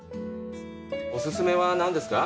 お薦めは何ですか？